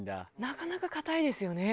なかなか硬いですよね。